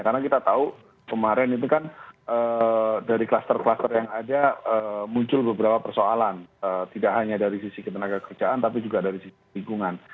karena kita tahu kemarin itu kan dari kluster kluster yang ada muncul beberapa persoalan tidak hanya dari sisi ketenaga kerjaan tapi juga dari sisi lingkungan